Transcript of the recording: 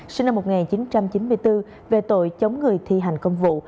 sinh năm một nghìn chín trăm chín mươi bốn về tội chống người thi hành công vụ